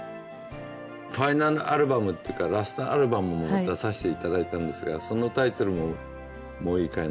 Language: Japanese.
ファイナルアルバムっていうかラストアルバムも出させて頂いたんですがそのタイトルも「もういいかい」